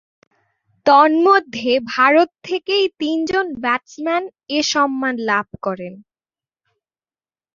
তন্মধ্যে ভারত থেকেই তিন জন ব্যাটসম্যান এ সম্মান লাভ করেন।